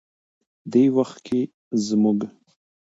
دې وخت کې زموږ